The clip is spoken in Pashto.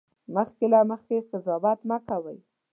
مخکې له مخکې قضاوت مه کوئ